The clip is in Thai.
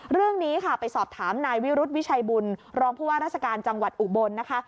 เรื่องนี้ค่ะไปสอบถามนายวิรุธวิชัยบุญรองผู้ว่าราชการจังหวัดอุบลนะคะ